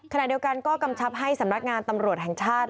ขณะเดียวกันก็กำชับให้สำนักงานตำรวจแห่งชาติ